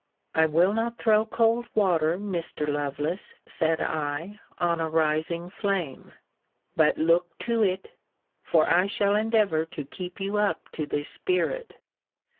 I will not throw cold water, Mr. Lovelace, said I, on a rising flame: but look to it! for I shall endeavour to keep you up to this spirit.